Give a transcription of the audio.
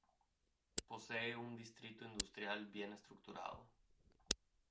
Posee un distrito industrial bien estructurado.